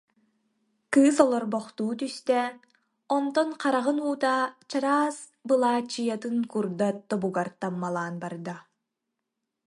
Кыыс олорбохтуу түстэ, онтон хараҕын уута чараас былааччыйатын курдат тобугар таммалаан барда